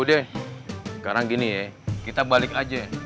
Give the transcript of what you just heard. deh sekarang gini ya kita balik aja